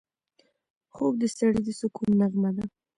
خوب د سړي د سکون نغمه ده